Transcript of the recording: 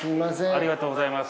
ありがとうございます。